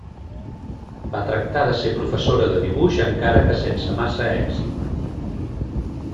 Va tractar de ser professora de dibuix encara que sense massa èxit.